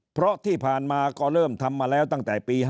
เพราะที่ผ่านมาก็เริ่มทำมาแล้วตั้งแต่ปี๕๗